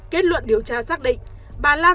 kết luận điều tra xác định bà lan